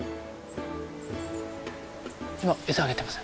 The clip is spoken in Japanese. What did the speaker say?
今餌あげてます。